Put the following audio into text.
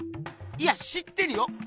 いや知ってるよ